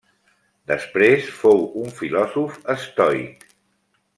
Després fou un filòsof estoic.